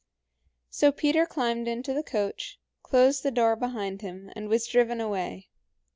So Peter climbed into the coach, closed the door behind him, and was driven away.